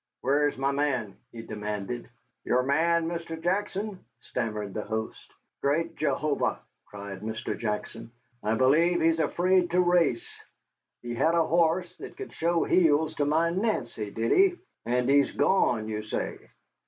"Where's my man?" he demanded. "Your man, Mr. Jackson?" stammered the host. "Great Jehovah!" cried Mr. Jackson, "I believe he's afraid to race. He had a horse that could show heels to my Nancy, did he? And he's gone, you say?"